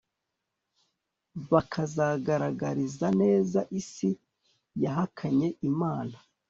bakazagaragariza neza isi yahakanye Imana